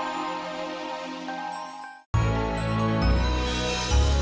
jangan lupa like subscribe share dan subscribe